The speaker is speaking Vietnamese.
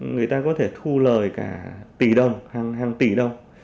người ta có thể thu lời cả tỷ đồng hàng tỷ đồng